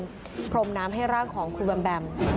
พร้อมน้ำมนต์พรมน้ำให้ร่างของคุณแบมแบม